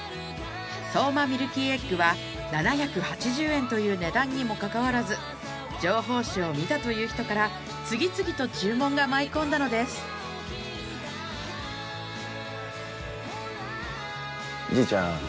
相馬ミルキーエッグは７８０円という値段にもかかわらず情報誌を見たという人から次々と注文が舞い込んだのですじいちゃん